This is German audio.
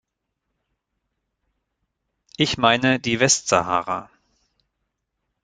Ich meine die Westsahara.